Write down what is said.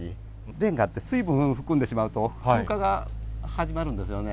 レンガって、水分を含んでしまうと、風化が始まるんですよね。